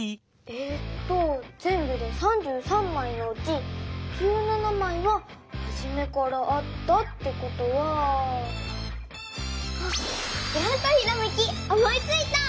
えっとぜんぶで３３まいのうち１７まいははじめからあったってことはきらんとひらめき思いついた！